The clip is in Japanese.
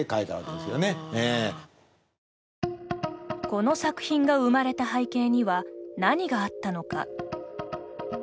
この作品が生まれた背景には何があったのか。